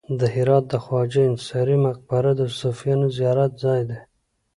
د هرات د خواجه انصاري مقبره د صوفیانو زیارت ځای دی